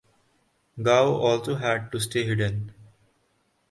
Gao also had to stay hidden.